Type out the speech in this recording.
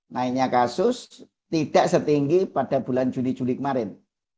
naiknya kasus tidak setinggi pada bulan juli juli kemarin